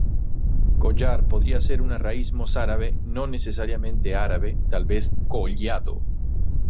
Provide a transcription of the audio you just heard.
Collar podría ser una raíz mozárabe, no necesariamente árabe, tal vez "collado".